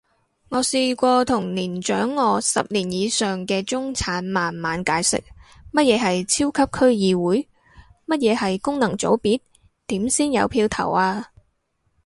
我試過同年長我十年以上嘅中產慢慢解釋，乜嘢係超級區議會？乜嘢係功能組別？點先有票投啊？